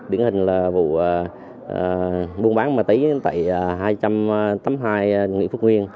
điển hình là vụ buôn bán ma túy tại hai trăm tám mươi hai nguyễn phước nguyên